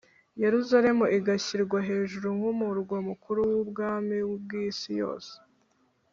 yerusalemu igashyirwa hejuru nk’umurwa mukuru w’ubwami bw’isi yose